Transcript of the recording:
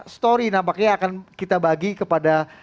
story nampaknya akan kita bagi kepada